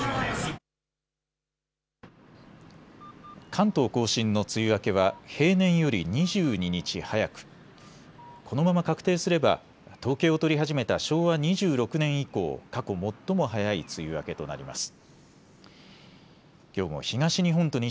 関東甲信の梅雨明けは平年より２２日早くこのまま確定すれば統計を取り始めた昭和２６年以降、過去最も早い梅雨明けとなります。